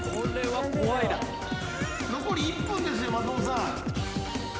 残り１分ですよ松本さん